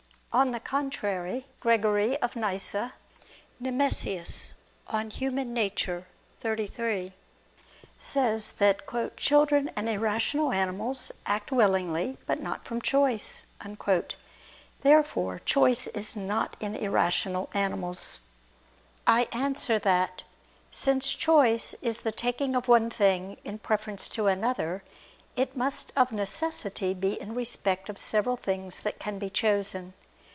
On the contrary, Gregory of Nyssa [*Nemesius, De Nat. Hom. xxxiii.] says that "children and irrational animals act willingly but not from choice." Therefore choice is not in irrational animals. I answer that, Since choice is the taking of one thing in preference to another it must of necessity be in respect of several things that can be chosen.